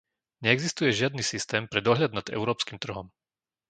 Neexistuje žiadny systém pre dohľad nad európskym trhom.